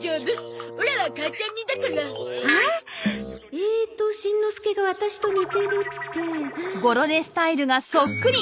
えーっとしんのすけがワタシと似てるってガーン。